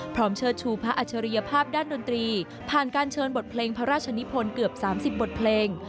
เชิดชูพระอัจฉริยภาพด้านดนตรีผ่านการเชิญบทเพลงพระราชนิพลเกือบ๓๐บทเพลง